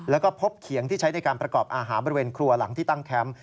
แล้วก็พบเขียงที่ใช้ในการประกอบอาหารบริเวณครัวหลังที่ตั้งแคมป์